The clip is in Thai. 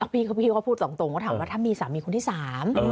พี่เขาก็พูดตรงว่าถามว่าถ้ามีสามีคนที่สาม